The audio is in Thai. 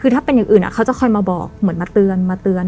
คือถ้าเป็นอย่างอื่นเขาจะคอยมาบอกเหมือนมาเตือนมาเตือน